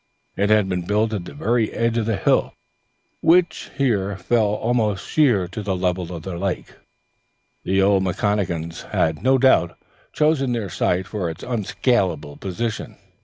It had been built at the very edge of the hill which here fell almost sheer to the level of the lake, and the old McConachans had no doubt chosen their site for its unscalable position.